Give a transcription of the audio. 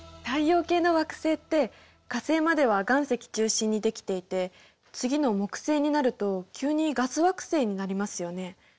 太陽系の惑星って火星までは岩石中心にできていて次の木星になると急にガス惑星になりますよね。